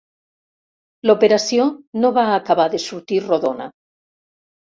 L'operació no va acabar de sortir rodona.